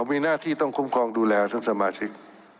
มีหน้าที่ต้องคุ้มครองดูแลทั้งสมาชิก